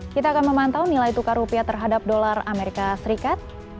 kita akan memantau nilai tukar rupiah terhadap dolar amerika serikat